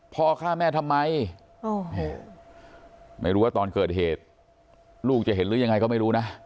พ่อฆ่าแม่ทำไมไม่รู้ว่าตอนเกิดเหตุลูกจะเห็นหรือยังไงก็ไม่รู้นะ